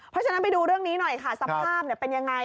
เพราะฉะนั้นไปดูเรื่องนี้หน่อยค่ะสภาพเป็นยังไง